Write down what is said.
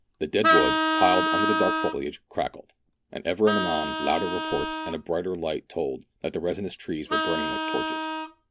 The dead wood piled under the dark foliage crackled, and ever and anon louder reports and a brighter light told that the resinous trees were burning like torches.